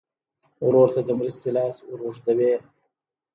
ورور ته د مرستې لاس ور اوږدوې.